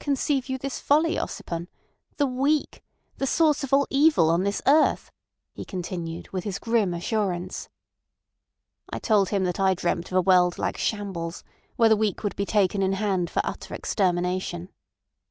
"Conceive you this folly, Ossipon? The weak! The source of all evil on this earth!" he continued with his grim assurance. "I told him that I dreamt of a world like shambles, where the weak would be taken in hand for utter extermination."